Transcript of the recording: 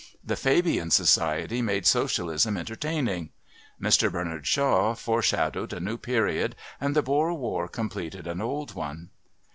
The Fabian Society made socialism entertaining. Mr Bernard Shaw foreshadowed a new period and the Boer War completed an old one.